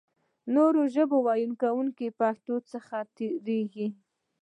نورو ژبو ویونکي پښتو څخه تېرېږي.